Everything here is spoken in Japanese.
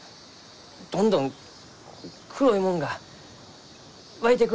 どんどん黒いもんが湧いてくるがです。